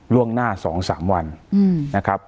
ร่วงหน้าสองสามวันนะครับ